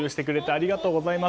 ありがとうございます。